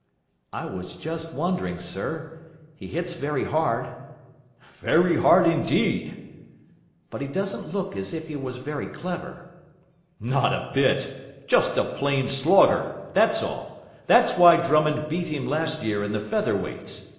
"I was just wondering, sir. He hits very hard." "Very hard indeed." "But he doesn't look as if he was very clever." "Not a bit. Just a plain slogger. That's all. That's why Drummond beat him last year in the Feather Weights.